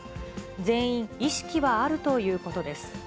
全員意識はあるということです。